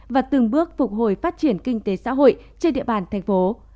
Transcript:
và từng bước phục hồi phát triển kinh tế xã hội trên địa bàn thành phố